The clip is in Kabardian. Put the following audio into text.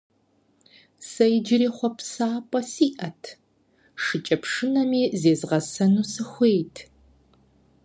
Сэ иджыри хъуапсапӀэ сиӀэт, шыкӀэпшынэми зезгъэсэну сыхуейт.